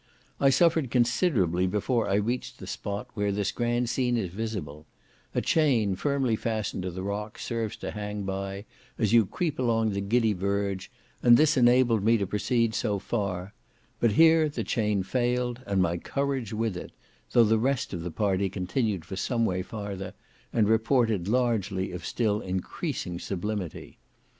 I suffered considerably before I reached the spot where this grand scene is visible; a chain firmly fastened to the rock serves to hang by, as you creep along the giddy verge, and this enabled me to proceed so far; but here the chain failed, and my courage with it, though the rest of the party continued for some way farther, and reported largely of still increasing sublimity.